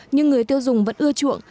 nhưng người tiêu dùng vẫn ưa chuộng